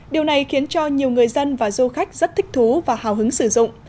điều này khiến cho nhiều người dân và du khách rất thích thú và hào hứng sử dụng